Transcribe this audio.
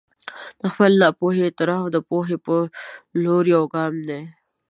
د خپلې ناپوهي اعتراف د پوهې په لور یو ګام دی.